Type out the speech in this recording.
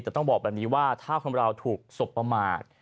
แต่ต้องบอกแบบนี้ว่าถ้าคนเราถูกสบประมาท